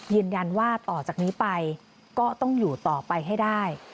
ยืนยันว่าต่อจากนี้ไปก็ต้องอยู่ต่อไปให้ได้